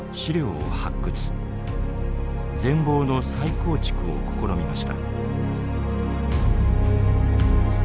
全貌の再構築を試みました。